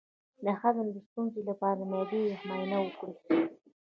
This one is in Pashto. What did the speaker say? د هضم د ستونزې لپاره د معدې معاینه وکړئ